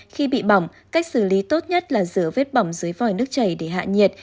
khi bị bỏng cách xử lý tốt nhất là rửa vết bỏng dưới vòi nước chảy để hạ nhiệt